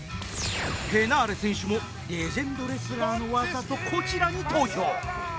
ヘナーレ選手も「レジェンドレスラーの技」とこちらに投票